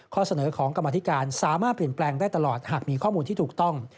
เสนอของกรรมธิการสามารถเปลี่ยนแปลงได้ตลอดหากมีข้อมูลที่ถูกต้อง